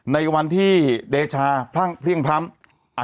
ในวันที่เดชาพรั่งเพลี่ยงพร้ำ